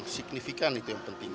signifikan itu yang penting